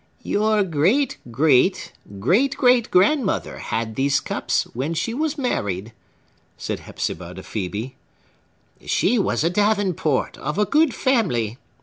"Your great great great great grandmother had these cups, when she was married," said Hepzibah to Phœbe. "She was a Davenport, of a good family.